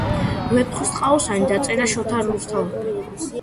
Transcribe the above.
ვეფხისტყაოსანი დაწერა შოთა რუსთაველმა